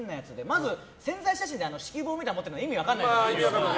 まず宣材写真で指揮棒みたいなの持ってるの意味分かんないじゃないですか。